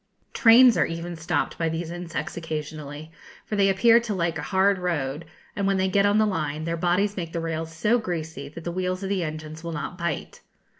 Trains are even stopped by these insects occasionally; for they appear to like a hard road, and when they get on the line their bodies make the rails so greasy that the wheels of the engines will not bite.